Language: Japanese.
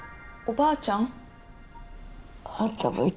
ばあちゃん